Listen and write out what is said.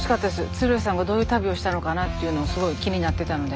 鶴瓶さんがどういう旅をしたのかなっていうのをすごい気になってたので。